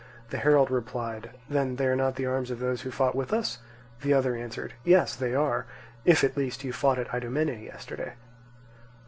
The herald replied: "Then they are not the arms of those who fought with us?" The other answered: "Yes, they are, if at least you fought at Idomene yesterday."